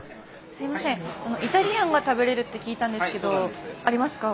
すいませんイタリアンが食べれるって聞いたんですけどありますか？